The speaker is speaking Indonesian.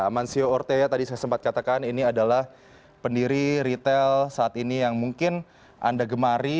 amancio ortea tadi saya sempat katakan ini adalah pendiri retail saat ini yang mungkin anda gemari